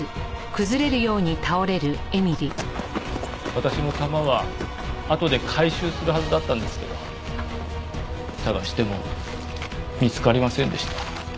私の弾はあとで回収するはずだったんですけど捜しても見つかりませんでした。